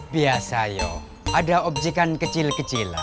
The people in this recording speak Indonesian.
biasa yuk ada objekan kecil kecilan